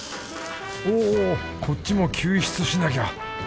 おおこっちも救出しなきゃ。